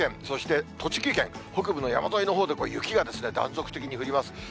そして栃木県、北部の山沿いのほうで、雪が断続的に降ります。